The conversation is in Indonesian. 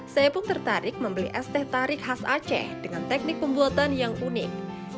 saya pun tertarik membeli es teh tarik khas aceh dengan teknik pembuatan yang unik